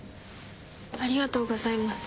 ありがとうございます。